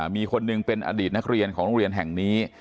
มีคนหนึ่งเป็นอดีตนักเรียนของโรงเรียนแห่งนี้